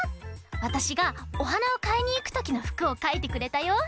わたしがおはなをかいにいくときのふくをかいてくれたよ。